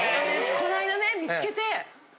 この間ね見つけて。